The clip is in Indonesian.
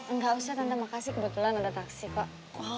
enggak usah karena makasih kebetulan ada taksi kok